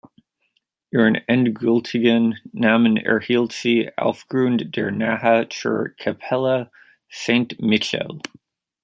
Ihren endgültigen Namen erhielt sie aufgrund der Nähe zur Kapelle Saint-Michel.